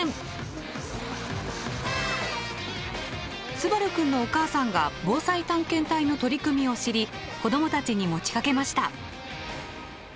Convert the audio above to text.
統陽くんのお母さんが「ぼうさい探検隊」の取り組みを知り子どもたちに持ちかけました。